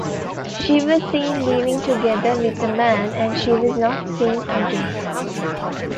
She was seen leaving together with a man and she was not seen again.